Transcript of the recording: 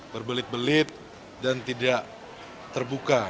berbelit belit dan tidak terbuka